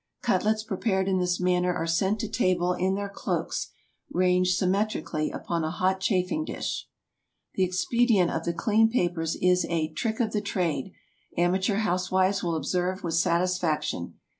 Cutlets prepared in this manner are sent to table in their cloaks, ranged symmetrically upon a hot chafing dish. The expedient of the clean papers is a "trick of the trade," amateur housewives will observe with satisfaction.